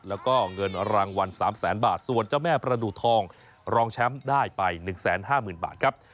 แล้วก็เงินรางวัลสามแสนบาทส่วนเจ้าแม่ประดูกทองรองแชมป์ได้ไปหนึ่งแสนห้าหมื่นบาทครับ